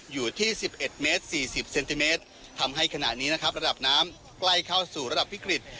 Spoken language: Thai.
อยู่ที่๑๑เมตร๔๐เซนติเมตรทำให้ขณะนี้นะครับระดับน้ำใกล้เข้าสู่ระดับวิกฤต